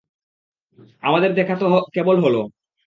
আমাদের দেখা তো কেবল হল।